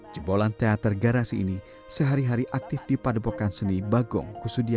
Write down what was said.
jebolan teater garasi ini sehari hari aktif di padepokan seni bagong kusudia